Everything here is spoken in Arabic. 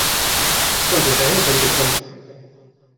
كنت سعيدًا بالأمس.